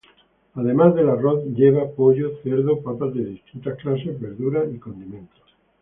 Además del arroz, lleva pollo, cerdo, papas de distintas clases, verduras y condimentos.